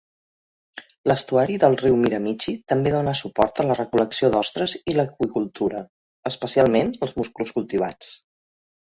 L'estuari del riu Miramichi també dona suport a la recol·lecció d'ostres i l'aqüicultura, especialment els musclos cultivats.